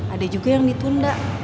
ada juga yang ditunda